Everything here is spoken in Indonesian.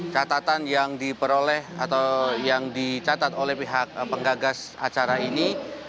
catatan yang diperoleh atau yang dicatat oleh pihak penggagas acara ini